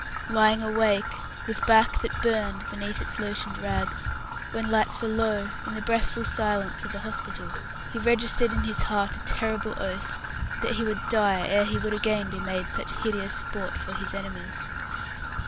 Lying awake with back that burned beneath its lotioned rags, when lights were low, in the breathful silence of the hospital, he registered in his heart a terrible oath that he would die ere he would again be made such hideous sport for his enemies.